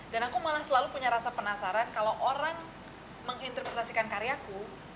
dan aku malah selalu punya rasa penasaran kalau orang menginterpretasikan karyaku